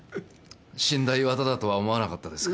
死んだ岩田だとは思わなかったですか？